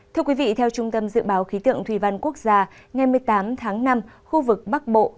thưa quý vị theo trung tâm dự báo khí tượng thủy văn quốc gia ngày một mươi tám tháng năm khu vực bắc bộ